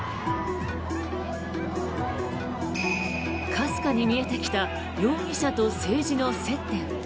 かすかに見えてきた容疑者と政治の接点。